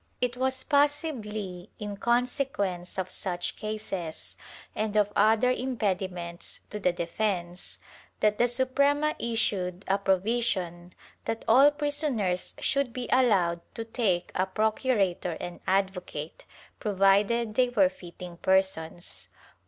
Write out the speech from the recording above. ^ It was possibly in consequence of such cases and of other impediments to the defence, that the Suprema issued a provision that all prisoners should be allowed to take a procurator and advocate, provided they were fitting persons.